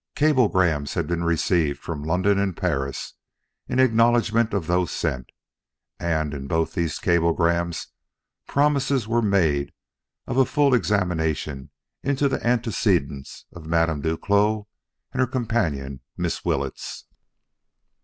Cablegrams had been received from London and Paris in acknowledgment of those sent, and in both these cablegrams promises were made of a full examination into the antecedents of Madame Duclos and her companion, Miss Willetts.